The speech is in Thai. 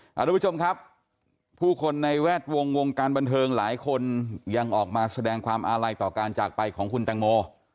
คุณผู้ชมครับผู้คนในแวดวงวงการบันเทิงหลายคนยังออกมาแสดงความอาลัยต่อการจากไปของคุณแตงโม